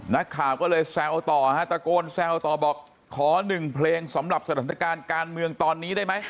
นักข่าวก็เลยแซวต่อฮะตะโกนแซวต่อบอกขอหนึ่งเพลงสำหรับสถานการณ์การเมืองตอนนี้ได้ไหม